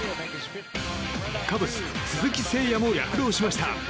カブス、鈴木誠也も躍動しました！